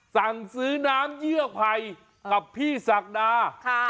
สั่งซื้อน้ำเยื่อไผ่กับพี่ศักดา